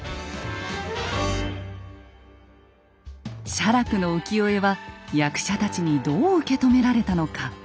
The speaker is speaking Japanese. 写楽の浮世絵は役者たちにどう受け止められたのか。